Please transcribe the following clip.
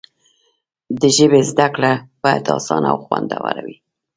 د ژبې زده کړه باید اسانه او خوندوره وي.